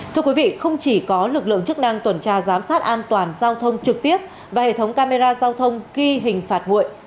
thưa quý vị không chỉ có lực lượng chức năng tuần tra giám sát an toàn giao thông trực tiếp và hệ thống camera giao thông ghi hình phạt nguội